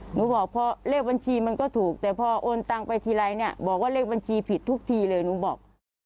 หนูบอกพอเลขบัญชีมันก็ถูกแต่พอโอนตังไปทีไรเนี่ยบอกว่าเลขบัญชีผิดทุกทีเลยหนูบอก